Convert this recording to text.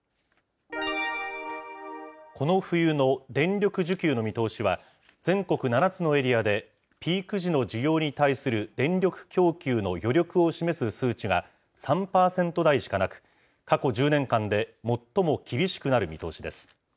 この冬の電力需給の見通しは、全国７つのエリアで、ピーク時の需要に対する電力供給の余力を示す数値が、３％台しかなく、過去１０年間で最も厳しくなる見通しです。